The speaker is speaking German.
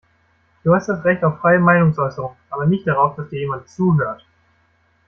Du hast das Recht auf freie Meinungsäußerung, aber nicht darauf, dass dir jemand zuhört.